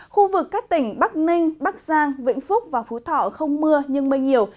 khu vực các tỉnh bắc ninh bắc giang vĩnh phúc và phú thọ không mưa nhưng mây nhiều